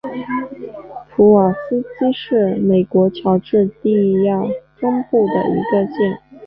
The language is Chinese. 普瓦斯基县是美国乔治亚州中部的一个县。